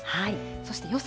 そして予想